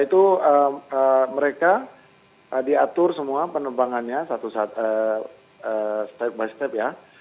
itu mereka diatur semua penerbangannya satu step by step ya